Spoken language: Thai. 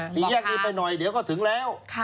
สี่แยกนี้ไปหน่อยเดี๋ยวก็ถึงแล้ว